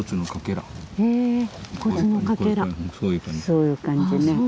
そういう感じね。